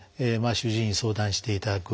主治医に相談していただく。